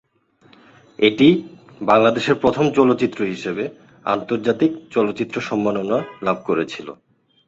এটি বাংলাদেশের প্রথম চলচ্চিত্র হিসেবে আন্তর্জাতিক চলচ্চিত্র সম্মাননা লাভ করেছিল।